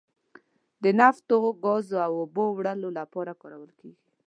د نفتو، ګازو او اوبو وړلو لپاره کارول کیږي.